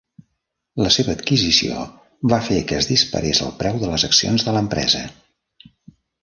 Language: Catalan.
La seva adquisició va fer que es disparés el preu de les accions de l'empresa.